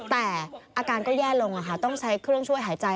แต่อาการก็แย่ลงต้องใช้เครื่องช่วยหายใจ